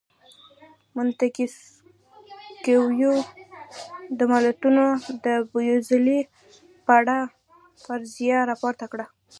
مونتیسکیو د ملتونو د بېوزلۍ په اړه فرضیه راپورته کړه.